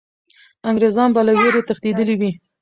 انګریزان به له ویرې تښتېدلي وي.